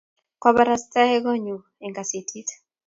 kwabarastee konyuu eng kasetit